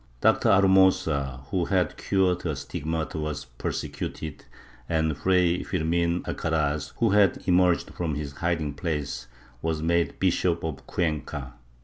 Dr. Argmiiosa, who had cm'ed her stigmata, was persecuted and Fray Firmin Alcaraz, who had emerged from his hiding place, was made Bishop of Cuenca.